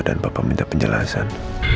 kalau papa minta penjelasan